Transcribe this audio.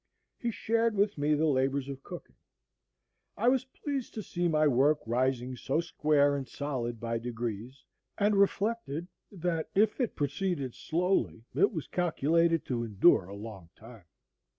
He shared with me the labors of cooking. I was pleased to see my work rising so square and solid by degrees, and reflected, that, if it proceeded slowly, it was calculated to endure a long time.